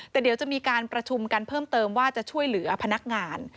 แต่เดี๋ยวจะมีการประชุมกันเพิ่มเติมว่าจะช่วยเหลือพนักงาน